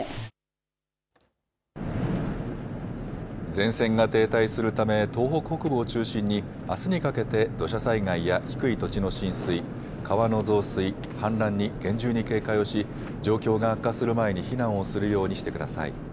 前線が停滞するため東北北部を中心にあすにかけて土砂災害や低い土地の浸水、川の増水、氾濫に厳重に警戒をし状況が悪化する前に避難をするようにしてください。